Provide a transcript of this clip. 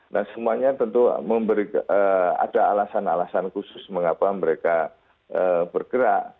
nah semuanya tentu ada alasan alasan khusus mengapa mereka bergerak